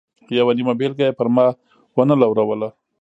یوه نیمه بېلګه یې پر ما و نه لوروله.